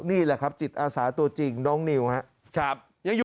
นี่แหละครับจิตอาสาตัวจริงน้องนิวครับ